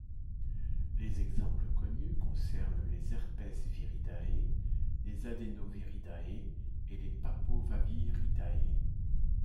Les exemples connus concernent les Herpesviridae, les Adenoviridae et les Papovaviridae.